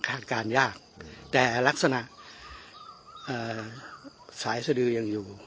การยากแต่ลักษณะสายสดือยังอยู่